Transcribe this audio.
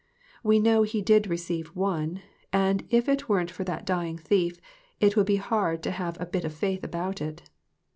We know he did receive one; and if it weren't for that dying thief, it would be hard to have a bit of faith about it.